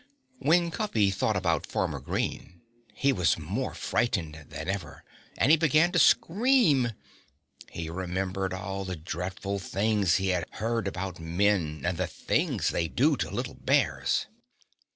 When Cuffy thought about Farmer Green he was more frightened than ever and he began to scream. He remembered all the dreadful things he had heard about men and the things they do to little bears.